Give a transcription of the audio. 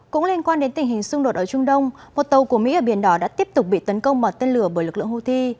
cũng liên quan đến tình hình xung đột ở trung đông một tàu của mỹ ở biển đỏ đã tiếp tục bị tấn công bởi tên lửa bởi lực lượng houthi